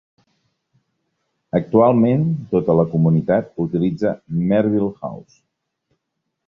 Actualment tota la comunitat utilitza Merville House.